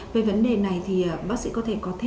về vấn đề này thì bác sĩ có thể có thêm